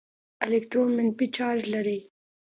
الکترون منفي چارج لري.